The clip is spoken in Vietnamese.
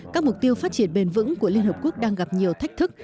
các mục tiêu phát triển bền vững của liên hợp quốc đang gặp nhiều thách thức